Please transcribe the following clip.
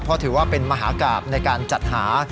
เพราะถือว่าเป็นมหากราบในการจัดหา